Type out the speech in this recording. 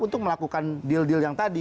untuk melakukan deal deal yang tadi